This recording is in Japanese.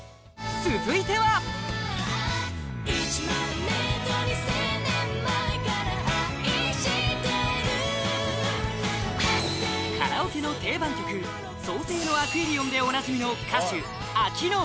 続いてはカラオケの定番曲「創聖のアクエリオン」でおなじみの歌手